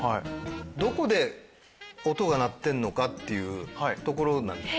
どこで音が鳴ってんのかっていうところなんです。